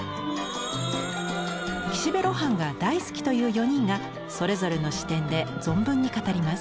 岸辺露伴が大好きという４人がそれぞれの視点で存分に語ります。